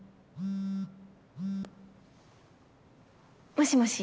もしもし。